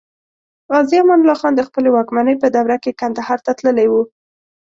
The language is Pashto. غازي امان الله خان د خپلې واکمنۍ په دوره کې کندهار ته تللی و.